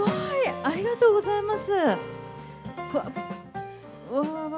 ありがとうございます。